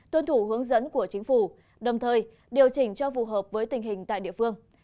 tuân thủ hướng dẫn của chính phủ đồng thời điều chỉnh cho phù hợp với tình hình tại địa phương